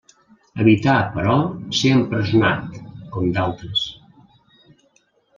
Evità, però, ser empresonat, com d'altres.